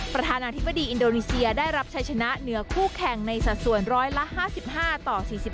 ประธานาธิบดีอินโดนีเซียได้รับชัยชนะเหนือคู่แข่งในสัดส่วนร้อยละ๕๕ต่อ๔๕